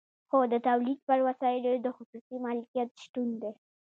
خو د تولید پر وسایلو د خصوصي مالکیت شتون دی